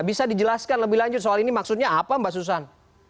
bisa dijelaskan lebih lanjut soal ini maksudnya apa mbak susan